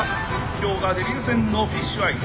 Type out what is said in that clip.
今日がデビュー戦のフィッシュアイズ。